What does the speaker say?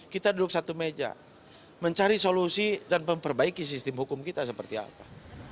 kita duduk satu meja mencari solusi dan memperbaiki sistem hukum kita seperti apa